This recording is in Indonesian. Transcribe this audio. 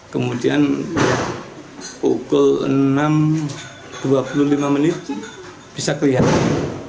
kemudian pukul enam dua puluh lima menit bisa kelihatan